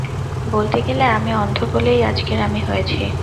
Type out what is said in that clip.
বলতে গেলে, আমি অন্ধ বলেই আজকের আমি হয়েছি।